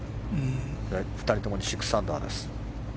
２人とも６アンダーです。